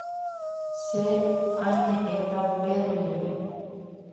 Che añe'ẽta Pedro ndive.